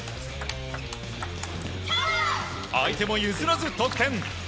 相手も譲らず得点。